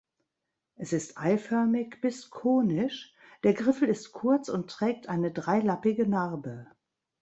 Es ist eiförmig bis konisch, der Griffel ist kurz und trägt eine dreilappige Narbe.